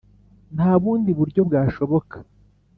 nta bundi buryo bwashoboka